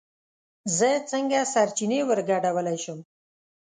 زه څنگه سرچينې ورگډولی شم